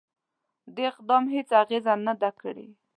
دې اقدام هیڅ اغېزه نه ده کړې.